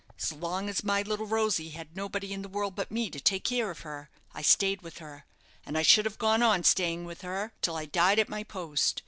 As long as my little Rosy had nobody in the world but me to take care of her, I stayed with her, and I should have gone on staying with her till I died at my post.